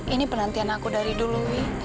ini penantian aku dari dulu